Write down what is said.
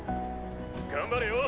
頑張れよ！